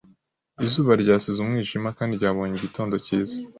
Izuba ryasize umwijima kandi ryabonye igitondo cyiza